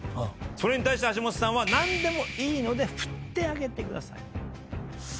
それに対して橋本さんは何でもいいので振ってあげてください。